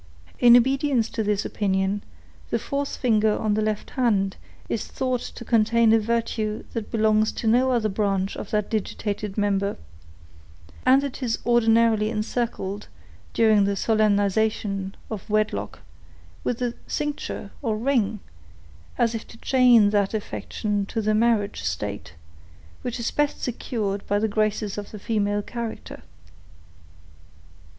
In obedience to this opinion, the fourth finger of the left hand is thought to contain a virtue that belongs to no other branch of that digitated member; and it is ordinarily encircled, during the solemnization of wedlock, with a cincture or ring, as if to chain that affection to the marriage state, which is best secured by the graces of the female character."